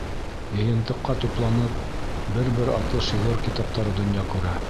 Йыйынтыҡҡа тупланып, бер-бер артлы шиғыр китаптары донъя күрә.